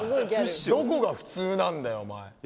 どこが普通なんだよお前。